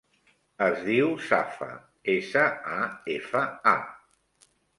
Es diu Safa: essa, a, efa, a.